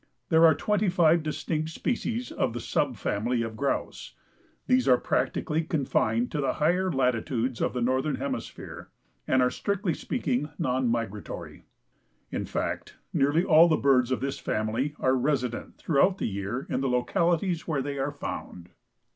There are twenty five distinct species of the subfamily of grouse. These are practically confined to the higher latitudes of the northern hemisphere and are strictly speaking non migratory. In fact, nearly all the birds of this family are resident throughout the year in the localities where they are found.